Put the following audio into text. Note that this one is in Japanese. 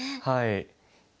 はい。